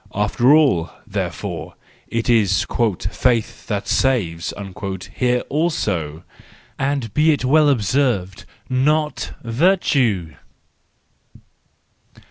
After all, therefore, it is " faith that saves " here also !—and be it well observed, not virtue